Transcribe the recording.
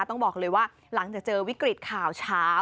ต้องบอกเลยว่าหลังจากเจอวิกฤตข่าวเช้า